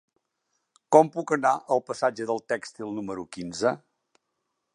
Com puc anar al passatge del Tèxtil número quinze?